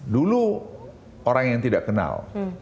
dulu orang yang tidak kenal